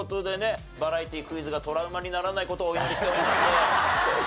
バラエティークイズがトラウマにならない事をお祈りしております。